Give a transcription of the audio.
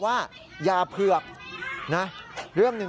สวัสดีครับทุกคน